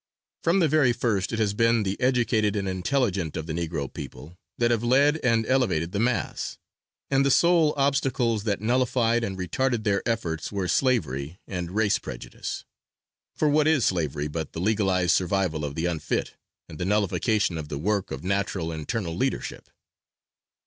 From the very first it has been the educated and intelligent of the Negro people that have led and elevated the mass, and the sole obstacles that nullified and retarded their efforts were slavery and race prejudice; for what is slavery but the legalized survival of the unfit and the nullification of the work of natural internal leadership?